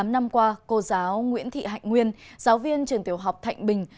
tám năm qua cô giáo nguyễn thị hạnh nguyên giáo viên trường tiểu học thạnh bình